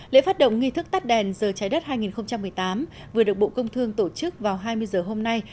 lễ phát động nghi thức tắt đèn giờ trái đất hai nghìn một mươi tám vừa được bộ công thương tổ chức vào hai mươi h hôm nay